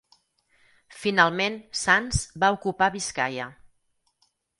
Finalment Sanç va ocupar Biscaia.